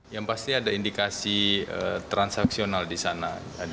yang pasti ada indikasi transaksional di sana